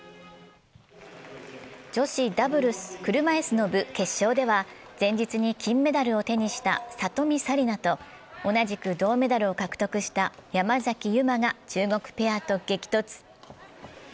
女子ダブルス車いすの部決勝では、前日に金メダルを手にした里見紗李奈と同じく銅メダルを獲得した山崎悠麻が中国ペアと激突。